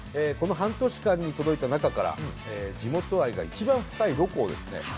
この半年間に届いた中から地元愛が一番深いロコをですね